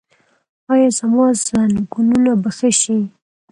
ایا زما زنګونونه به ښه شي؟